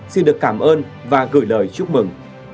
xin được cảm ơn và gửi lời chúc mừng